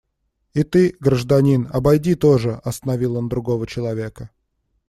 И ты, гражданин, обойди тоже, – остановил он другого человека.